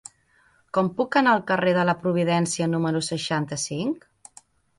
Com puc anar al carrer de la Providència número seixanta-cinc?